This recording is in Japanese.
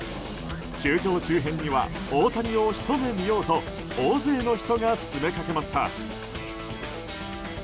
球場周辺には大谷をひと目見ようと大勢の人が詰めかけました。